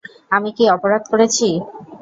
আমি কী অপরাধ করেছি?